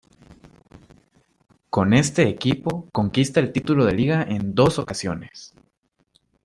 Con este equipo conquista el título de Liga en dos ocasiones.